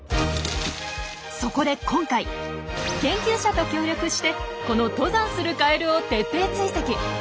そこで今回研究者と協力してこの登山するカエルを徹底追跡。